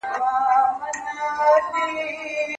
د نجونو بې ځایه ګرځېدل په ټولنه کې د ډېرو فتنو سبب ګرځي.